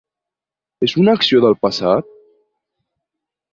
És una acció del passat?